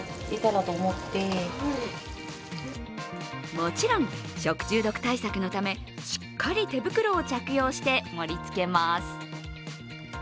もちろん、食中毒対策のため、しっかり手袋を着用して盛りつけます。